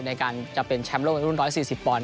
ในการจะเป็นแชมป์โลกในรุ่น๑๔๐ปอนด